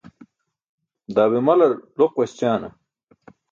Daa be malar loq waśćaana?